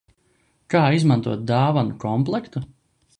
Kā izmantot dāvanu komplektu?